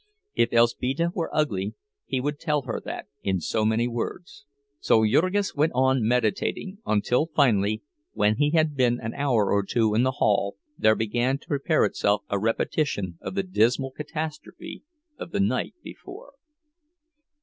If Elzbieta were ugly, he would tell her that in so many words. So Jurgis went on meditating; until finally, when he had been an hour or two in the hall, there began to prepare itself a repetition of the dismal catastrophe of the night before.